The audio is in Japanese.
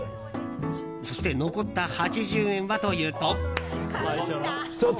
そして残った８０円はというと。